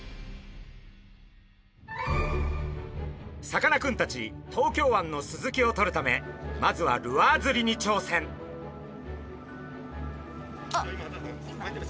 さかなクンたち東京湾のスズキをとるためまずはルアー釣りにちょうせん！